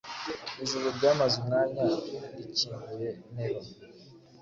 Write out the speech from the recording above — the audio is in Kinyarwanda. Ijuru ryamaze umwanya rikingukiye Nero